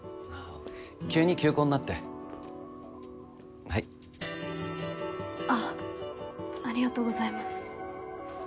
急に休講になってはいあありがとうございます